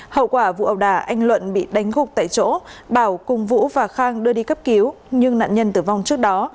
hậu quả vụ ẩu đà anh luận bị đánh gục tại chỗ bảo cùng vũ và khang đưa đi cấp cứu nhưng nạn nhân tử vong trước đó